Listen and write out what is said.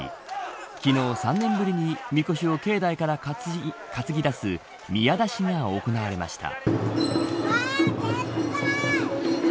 昨日、３年ぶりにみこしを境内から担ぎ出す宮出しが行われました。